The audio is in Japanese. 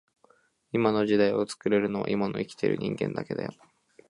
今の時代を作れるのは今を生きている人間だけだよ